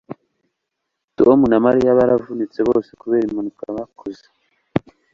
tom na mariya baravunitse bose kubera impanuka bakoze